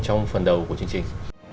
trong phần đầu của chương trình